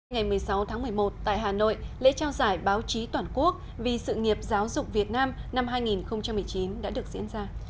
ngày một mươi sáu tháng một mươi một tại hà nội lễ trao giải báo chí toàn quốc vì sự nghiệp giáo dục việt nam năm hai nghìn một mươi chín đã được diễn ra